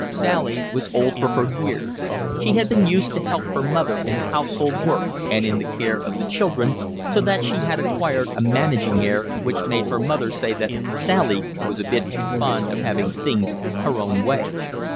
Sally was old for her years: she had been used to help her mother in the household work and in the care of the children, so that she had acquired a managing air, which made her mother say that Sally was a bit too fond of having things her own way.